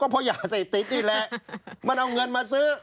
เพราะยาเสพติดนี่แหละมันเอาเงินมาซื้อ